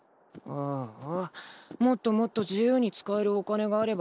ああもっともっと自由に使えるお金があればいいのに。